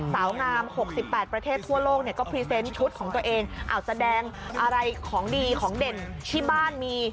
สาวงาม๖๘ประเทศทั่วโลกเนี่ยก็พรีเซนต์ชุดของตัวเองแสดงอะไรของดีของเด่นที่บ้านมี